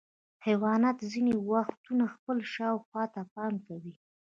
حیوانات ځینې وختونه خپل شاوخوا ته پام کوي.